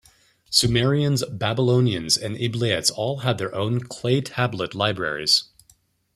Sumerians, Babylonians and Eblaites all had their own clay tablet libraries.